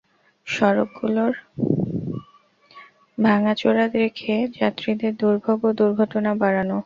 সড়কগুলো ভাঙাচোরা রেখে যাত্রীদের দুর্ভোগ ও দুর্ঘটনা বাড়ানো?